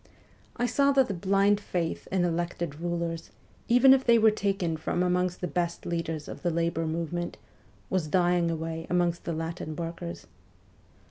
I saw that the blind faith in elected rulers, even if they were taken from amongst the best leaders of the labour movement, was dying away amongst the Latin workers.